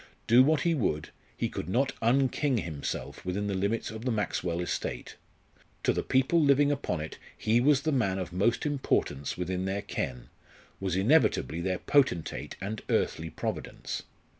Do what he would, he could not un king himself within the limits of the Maxwell estate. To the people living upon it he was the man of most importance within their ken, was inevitably their potentate and earthly providence.